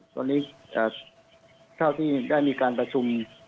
ตอนนี้เท่าที่ได้มีการประชุม